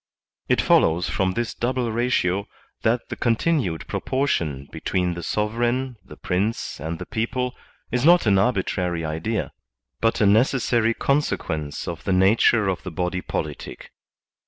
It follows from this double ratio that the continued pro portion between the sovereign, the Prince, and the people is not an arbitrary idea, but a necessary consequence of the nature of the body politic.